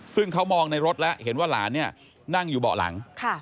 ซึ่งเขามองในรถแล้วเห็นว่าหลานเนี่ยนั่งอยู่เบาะหลัง